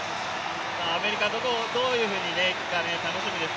アメリカはどういうふうにいくか楽しみです